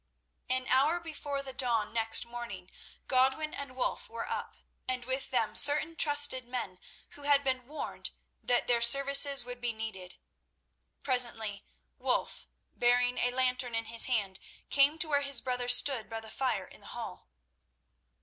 An hour before the dawn next morning Godwin and Wulf were up, and with them certain trusted men who had been warned that their services would be needed. Presently Wulf, bearing a lantern in his hand, came to where his brother stood by the fire in the hall.